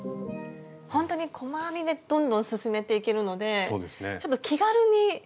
ほんとに細編みでどんどん進めていけるのでちょっと気軽にできそうな気がしますね。